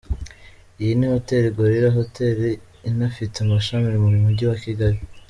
Iyi ni Hoteli Gorilla, hoteli inafite amashami mu mujyi wa Kigali.